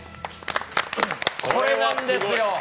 これなんですよ。